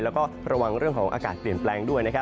แล้วก็ระวังเรื่องของอากาศเปลี่ยนแปลงด้วยนะครับ